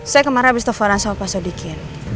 saya kemarin abis telepon soal pak sudikin